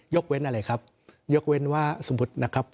กเว้นอะไรครับยกเว้นว่าสมมุตินะครับ